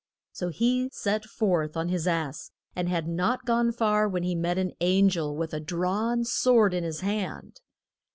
So he set forth on his ass, and had not gone far when he met an an gel with a drawn sword in his hand.